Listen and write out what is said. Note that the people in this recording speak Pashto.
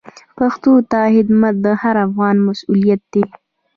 پښتو ته خدمت د هر افغان مسوولیت دی.